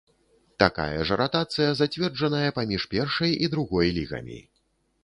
Такая ж ратацыя зацверджаная паміж першай і другой лігамі.